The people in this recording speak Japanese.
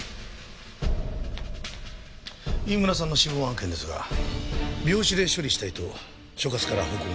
飯村さんの死亡案件ですが病死で処理したいと所轄から報告もありました。